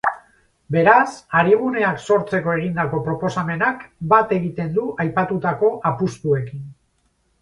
Beraz, ariguneak sortzeko egindako proposamenak bat egiten du aipatutako apustuekin.